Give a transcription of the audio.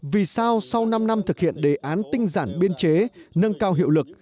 vì sao sau năm năm thực hiện đề án tinh giản biên chế nâng cao hiệu lực